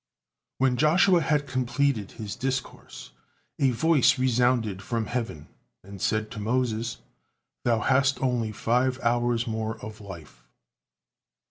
When Joshua had completed his discourse, a voice resounded from heaven, and said to Moses, "Thou hast only five hours more of life."